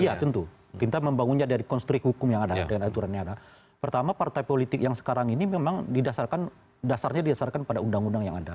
iya tentu kita membangunnya dari konstruk hukum yang ada dengan aturan yang ada pertama partai politik yang sekarang ini memang dasarnya didasarkan pada undang undang yang ada